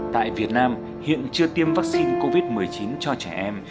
tại việt nam hiện chưa tiêm vaccine covid một mươi chín cho trẻ em